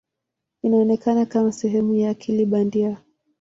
Inaonekana kama sehemu ya akili bandia.